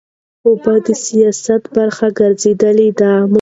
اوبه د سیاست برخه ګرځېدلې ده.